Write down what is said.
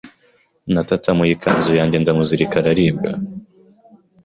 natatamuye ikanzu yanjye ndamuzirika araribwa